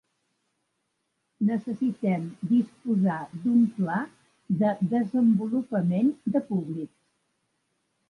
Necessitem disposar d'un pla de desenvolupament de públics.